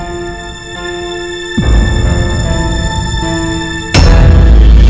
aku gak pernah angkat kekomisnya kendra nelfon